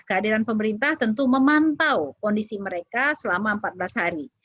kehadiran pemerintah tentu memantau kondisi mereka selama empat belas hari